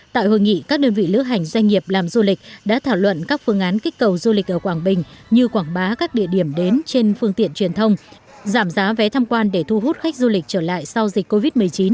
tại hội nghị các đơn vị lữ hành doanh nghiệp làm du lịch đã thảo luận các phương án kích cầu du lịch ở quảng bình như quảng bá các địa điểm đến trên phương tiện truyền thông giảm giá vé tham quan để thu hút khách du lịch trở lại sau dịch covid một mươi chín